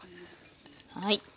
はい。